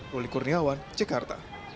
roli kurniawan jakarta